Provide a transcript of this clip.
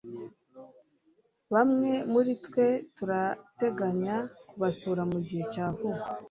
Bamwe muritwe turateganya kubasura mugihe cya vuba.